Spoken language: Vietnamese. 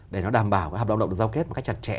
để nó đảm bảo hợp lao động được giao kết một cách chặt chẽ